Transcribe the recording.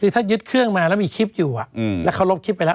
คือถ้ายึดเครื่องมาแล้วมีคลิปอยู่แล้วเขาลบคลิปไปแล้ว